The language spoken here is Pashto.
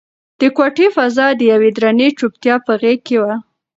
د کوټې فضا د یوې درنې چوپتیا په غېږ کې وه.